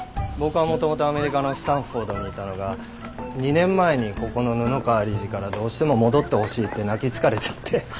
僕はもともとアメリカのスタンフォードにいたのが２年前にここの布川理事からどうしても戻ってほしいって泣きつかれちゃって。